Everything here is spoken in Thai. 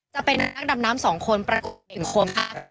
จะเป็นนักดำน้ำสองคนประจำแต่งคน